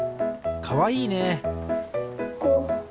かわいいね！